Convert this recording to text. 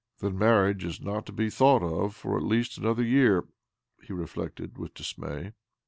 " Then marriage is not to be thought of for at least another year," he reflected with dismay.